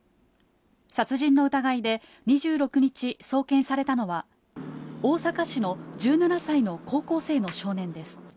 殺人の疑いで２６日、送検されたのは、大阪市の１７歳の高校生の少年です。